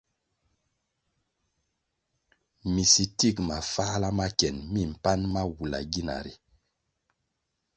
Minsitik mafáhla ma kien mi mpan ma wula gina ri.